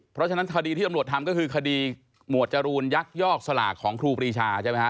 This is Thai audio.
เพราะฉะนั้นคดีที่ตำรวจทำก็คือคดีหมวดจรูนยักยอกสลากของครูปรีชาใช่ไหมฮะ